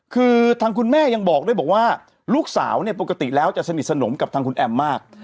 คือทางคุณแม่ยังบอกด้วยบอกว่าลูกสาวเนี่ยปกติแล้วจะสนิทสนมกับทางคุณแอมมาก